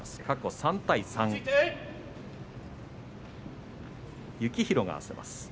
過去３対３です。